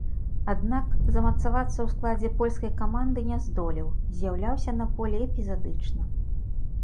Аднак, замацавацца ў складзе польскай каманды не здолеў, з'яўляўся на полі эпізадычна.